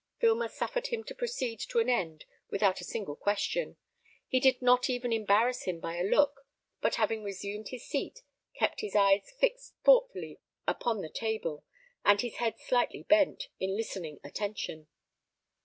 Filmer suffered him to proceed to an end without a single question. He did not even embarrass him by a look, but having resumed his seat, kept his eyes fixed thoughtfully upon the table, and his head slightly bent, in listening attention.